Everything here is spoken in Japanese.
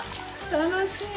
楽しい。